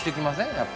やっぱ。